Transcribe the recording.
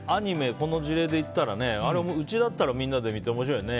この事例で言ったらうちだったら、みんなで見て面白いよね